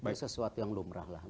tapi sesuatu yang lumrah lah